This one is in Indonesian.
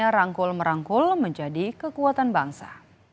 dan dia rangkul merangkul menjadi kekuatan bangsa